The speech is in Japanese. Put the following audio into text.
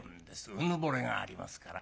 うぬぼれがありますから。